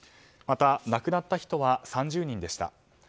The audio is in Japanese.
また亡くなった人は３０人でした。